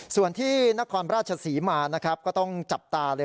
ส่วนที่นครราชสีมาก็ต้องจับตาเลย